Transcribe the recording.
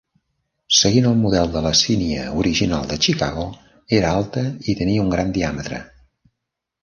Seguint el model de la sínia original de Chicago, era alta i tenia un gran diàmetre.